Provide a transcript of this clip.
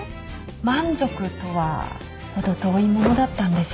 満足とは程遠いものだったんです。